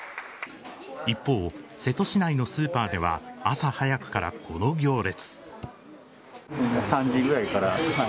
一方、瀬戸市内のスーパーでは朝早くからこの行列。